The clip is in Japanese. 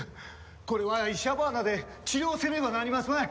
これはイシャバーナで治療せねばなりますまい！